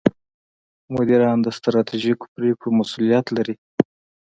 مدیران د ستراتیژیکو پرېکړو مسوولیت لري.